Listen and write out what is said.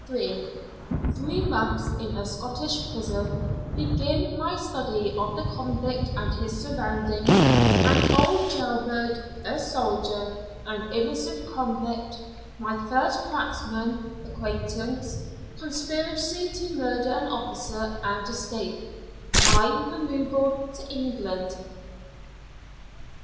THREE MONTHS IN A SCOTTISH PRISON BEGIN MY STUDY OF THE CONVICT AND HIS SURROUNDINGS AN OLD JAIL BIRD A SOLDIER AN INNOCENT CONVICT MY FIRST CRACKSMAN ACQUAINTANCE CONSPIRACY TO MURDER AN OFFICER AND ESCAPE MY REMOVAL TO ENGLAND.